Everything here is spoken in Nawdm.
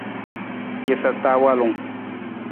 Jasa ta walung.